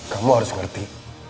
kamu harus ngerti